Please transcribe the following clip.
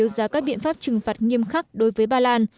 eu có thể đưa ra các biện pháp trừng phạt nghiêm khắc đối với ba lan